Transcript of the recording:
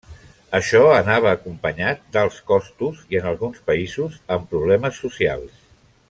Això anava acompanyat d'alts costos, i en alguns països amb problemes socials.